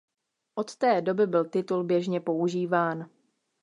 Od té doby byl titul běžně používán.